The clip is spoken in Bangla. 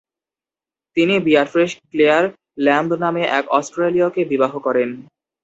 তিনি বিয়াট্রিশ ক্লেয়ার ল্যাম্ব নামে এক অস্ট্রেলীয়কে বিবাহ করেন।